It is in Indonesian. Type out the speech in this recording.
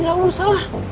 gak usah lah